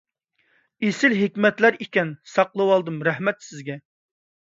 ئېسىل ھېكمەتلەر ئىكەن، ساقلىۋالدىم. رەھمەت سىزگە!